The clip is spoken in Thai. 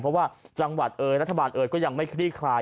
เพราะว่าจังหวัดเอยรัฐบาลเอ๋ยก็ยังไม่คลี่คลาย